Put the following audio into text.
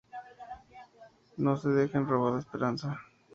No se dejen robar la esperanza".